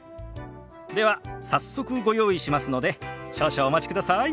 では早速ご用意しますので少々お待ちください。